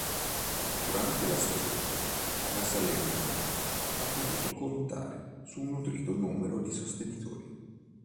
Durante la stagione, la Salernitana ha potuto contare su un nutrito numero di sostenitori.